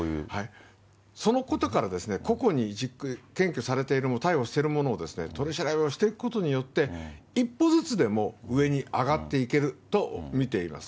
そのことから、個々に検挙されている、逮捕している者を取り調べをしていくことによって、一歩ずつでも上に上がっていけると見ています。